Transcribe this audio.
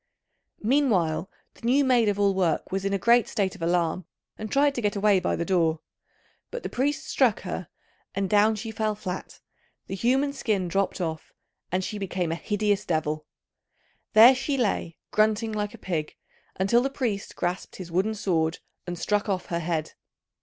Meanwhile the new maid of all work was in a great state of alarm, and tried to get away by the door; but the priest struck her and down she fell flat, the human skin dropped off, and she became a hideous devil. There she lay grunting like a pig, until the priest grasped his wooden sword and struck off her head.